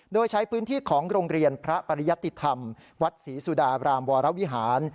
โดยใช้พื้นที่ของโรงเรียนพระปริยติธรรมวัดศรีสุดารามวรวิหาร